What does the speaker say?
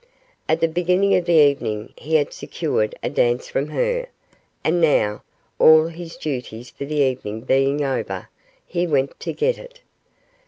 At the beginning of the evening he had secured a dance from her, and now, all his duties for the evening being over, he went to get it.